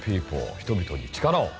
人々に力を。